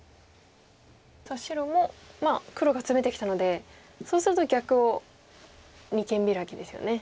白もまあ黒がツメてきたのでそうすると逆を二間ビラキですよね。